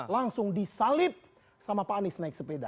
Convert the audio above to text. langsung disalip sama panis naik sepeda